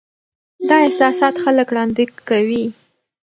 دا احساسات خلک ړانده کوي.